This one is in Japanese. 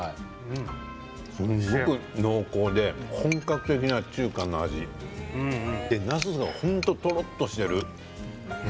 すごく、濃厚で本格的な中華の味でなすが本当とろっとしている。